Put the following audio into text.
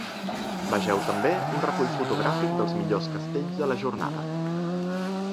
Vegeu també un recull fotogràfic dels millors castells de la jornada.